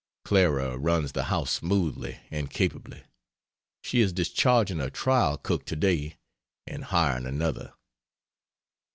Clara runs the house smoothly and capably. She is discharging a trial cook today and hiring another.